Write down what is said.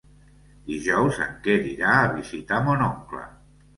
Dijous en Quer irà a visitar mon oncle.